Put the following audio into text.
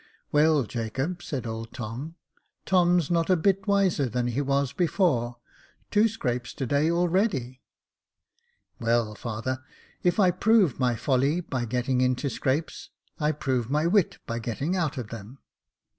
Well, Jacob," said old Tom,^ *' Tom's not a bit wiser than he was before — two scrapes to day, already." " Well, father, if I prove my folly by getting into scrapes, I prove my wit by getting out of them."